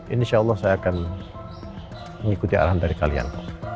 insya allah saya akan mengikuti arahan dari kalian